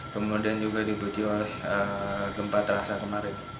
kemudian juga dibuji oleh gempa terasa kemarin